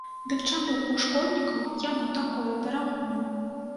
Дык чаму ў школьнікаў яно такое дарагое?